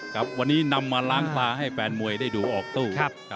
กับวันนี้นำมาล้างตาให้แฟนมวยได้ดูออกตู้